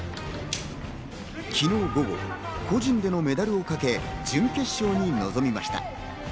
昨日午後、個人でのメダルをかけ、準決勝に臨みました。